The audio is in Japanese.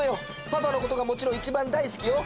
パパのことがもちろんいちばん大好きよ。